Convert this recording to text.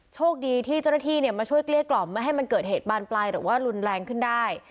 โชคดีที่เจ้าหน้าที่มาช่วยเกลี้ยกล่อมไม่ให้มันเกิดเหตุบานปลายหรือว่ารุนแรงขึ้นได้